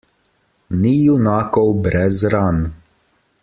Ni junakov brez ran.